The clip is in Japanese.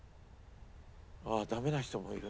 「ああダメな人もいるんだ」